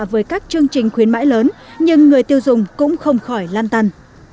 với các chương trình khuyến mãi lớn nhưng người tiêu dùng cũng không khỏi lan tàn